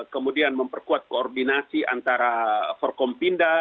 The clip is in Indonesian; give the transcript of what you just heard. kemudian memperkuat koordinasi antara forkompinda